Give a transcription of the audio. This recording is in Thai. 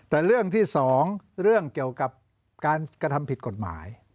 แต่เรื่องที่สองเรื่องเกี่ยวกับการกระทำผิดกฎหมาย